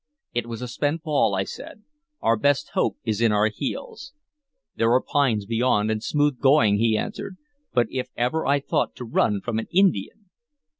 "It was a spent ball," I said. "Our best hope is in our heels." "There are pines beyond, and smooth going," he answered; "but if ever I thought to run from an Indian!"